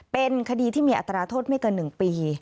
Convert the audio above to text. เป็นคดีที่มีอัตราโทษไม่กันหนึ่งปี